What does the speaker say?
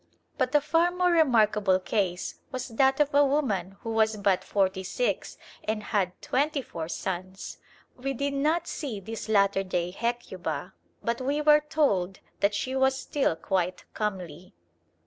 But a far more remarkable case was that of a woman who was but forty six and had had twenty four sons! We did not see this latter day Hecuba, but we were told that she was still quite comely.